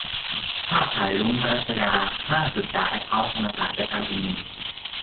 ภาพถ่าย 'รุ้ง-ปนัสยา' ล่าสุดจากแอคเคาท์ธรรมศาสตร์และการชุมนุม